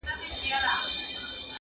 که مي دوی نه وای وژلي دوی وژلم-